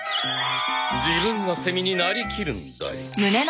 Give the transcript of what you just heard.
自分がセミになりきるんだよ。